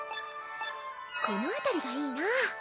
このあたりがいいな。